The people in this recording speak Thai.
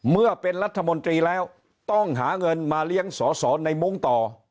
เมื่อเป็นรัฐมนตรีแล้วต้องหาเงินมาเลี้ยงสอสอในมุ้งต่อ